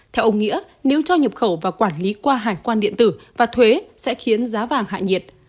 theo ông nghĩa nếu cho nhập khẩu và quản lý qua hải quan điện tử và thuế sẽ khiến giá vàng hạ nhiệt